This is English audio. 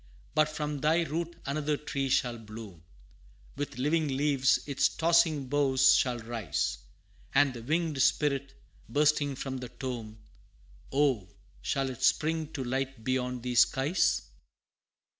But from thy root another tree shall bloom With living leaves its tossing boughs shall rise; And the winged spirit bursting from the tomb, Oh, shall it spring to light beyond these skies?